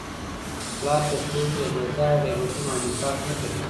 پلار په کور کي د بې ځایه غیبتونو او نفاق مخه نیسي.